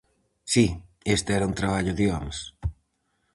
Si, este era un traballo de homes.